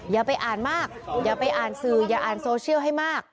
อย่าไปอ่านมากอย่าไปอ่านสื่ออย่าอ่านโซเชียลให้มาก